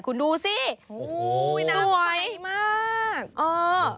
คุณดูซิน้ำใสมาก